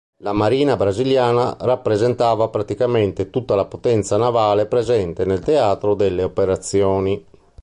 La Marina brasiliana rappresentava praticamente tutta la potenza navale presente nel teatro delle operazioni.